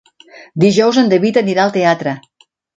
Dijous en David anirà al teatre.